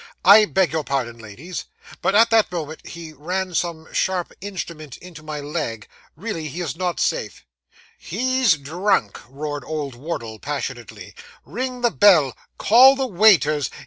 'I beg your pardon, ladies, but at that moment he ran some sharp instrument into my leg. Really, he is not safe.' 'He's drunk,' roared old Wardle passionately. 'Ring the bell! Call the waiters!